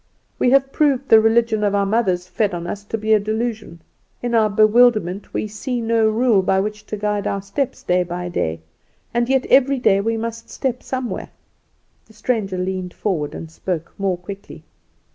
We have proved the religion our mothers fed us on to be a delusion; in our bewilderment we see no rule by which to guide our steps day by day; and yet every day we must step somewhere." The stranger leaned forward and spoke more quickly.